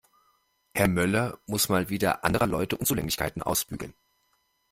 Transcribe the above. Herr Möller muss mal wieder anderer Leute Unzulänglichkeiten ausbügeln.